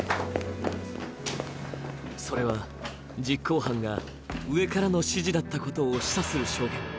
それは実行犯が上からの指示だったことを示唆する証言。